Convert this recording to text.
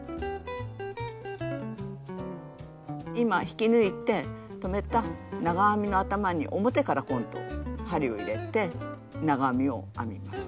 今引き抜いて止めた長編みの頭に表から今度針を入れて長編みを編みます。